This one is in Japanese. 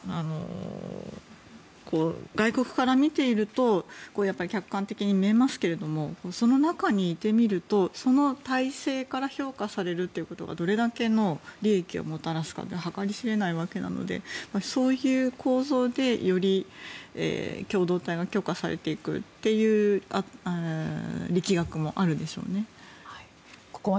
外国から見ていると客観的に見えますがその中にいてみるとその体制から評価されるということがどれだけの利益をもたらすかって計り知れないわけなのでそういう構造でより共同体が強化されていく力学もあるんでしょうね。